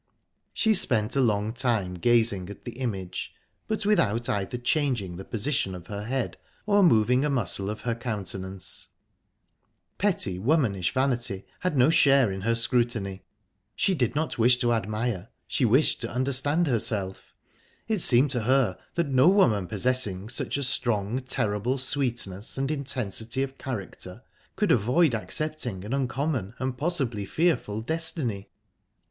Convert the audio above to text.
She spent a long time gazing at the image, but without either changing the position of her head, or moving a muscle of her countenance. Petty, womanish vanity had no share in her scrutiny. She did not wish to admire, she wished to understand herself. It seemed to her that no woman possessing such a strong, terrible sweetness and intensity of character could avoid accepting an uncommon, and possibly fearful, destiny.